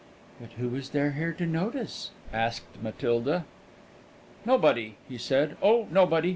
"But who is there here to notice?" asked Matilda. "Nobody," he said; "oh, nobody!